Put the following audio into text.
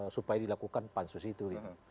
supaya dilakukan pansus itu